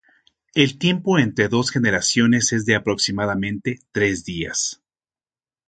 El tiempo entre dos generaciones es de aproximadamente tres días.